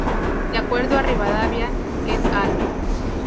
De acuerdo a Rivadavia "et al".